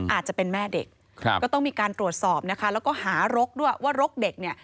อาจจะเป็นแม่เด็กครับก็ต้องมีการตรวจสอบนะคะแล้วก็หารกด้วยว่ารกเด็กเนี่ย